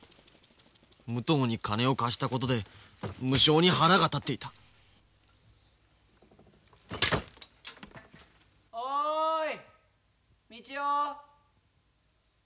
武藤に金を貸したことで無性に腹が立っていた・おい道雄！